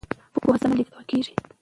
پوهه سم لېږدول کېږي.